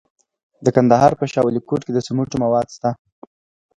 د کندهار په شاه ولیکوټ کې د سمنټو مواد شته.